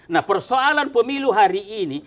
nah persoalan pemilu hari ini